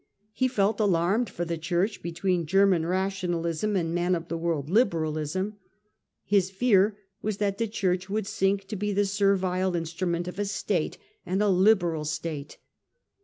He felt alarmed for the Church between German Rationalism and man of the world liberalism. His fear was that the Church would sink to be the servile instrument of a State, and a Liberal State.